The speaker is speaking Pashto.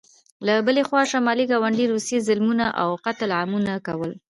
له بلې خوا شمالي ګاونډي روسیې ظلمونه او قتل عامونه کول.